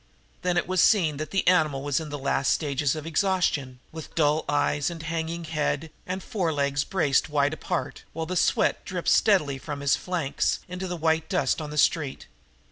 Then it was seen that the animal was in the last stages of exhaustion, with dull eyes and hanging head and forelegs braced widely apart, while the sweat dripped steadily from his flanks into the white dust on the street.